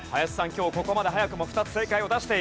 今日ここまで早くも２つ正解を出している。